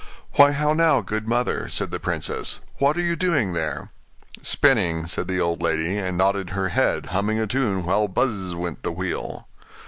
'Why, how now, good mother,' said the princess; 'what are you doing there?' 'Spinning,' said the old lady, and nodded her head, humming a tune, while buzz! went the wheel.